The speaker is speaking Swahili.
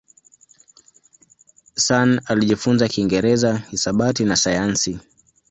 Sun alijifunza Kiingereza, hisabati na sayansi.